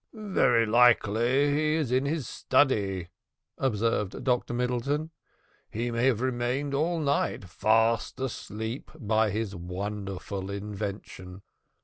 "Very likely he is in his study," observed Dr Middleton; "he may have remained all night, fast asleep, by his wonderful invention."